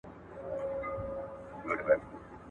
هلته چې ځنګلونه وي، د اوبو مقدار کافي دی.